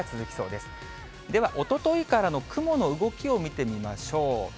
ではおとといからの雲の動きを見てみましょう。